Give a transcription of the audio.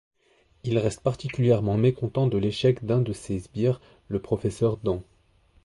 Il reste particulièrement mécontent de l'échec d'un de ses sbires, le Professeur Dent.